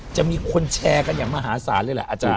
จะมีคนแชร์กันอย่างมหาศาลเลยแหละอาจารย